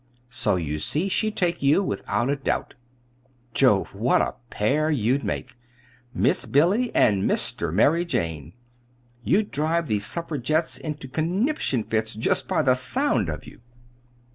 So you see she'd take you, without a doubt. Jove! what a pair you'd make: Miss Billy and Mr. Mary Jane! You'd drive the suffragettes into conniption fits just by the sound of you!"